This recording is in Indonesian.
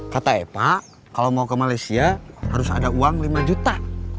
kata eva kalau mau ke malaysia harus ada uang lima juta